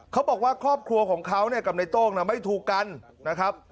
เขาบอกว่าครอบครัวของเขาเนี่ยกับในโต้งไม่ถูกกันนะครับ